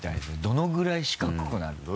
どのぐらい四角くなるのか。